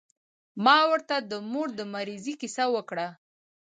ما ورته د مور د مريضۍ کيسه وکړه.